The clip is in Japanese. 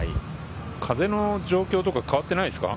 風の状況とか変わってないですか？